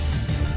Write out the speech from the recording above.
masuk ke rumah